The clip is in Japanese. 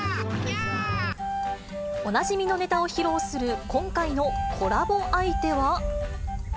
おなじみのネタを披露する今回のコラボ相手は。